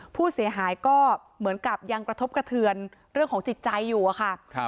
ผู้เสียหายก็เหมือนกับยังกระทบกระเทือนเรื่องของจิตใจอยู่อะค่ะ